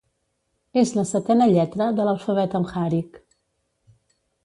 És la setena lletra de l'alfabet amhàric.